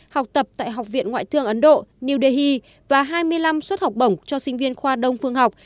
học tập tại học viện ngoại thương ấn độ new delhi và hai mươi năm suất học bổng cho sinh viên khoa đông phương học